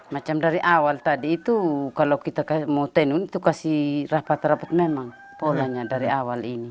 macam dari awal tadi itu kalau kita mau tenun itu kasih rapat rapat memang polanya dari awal ini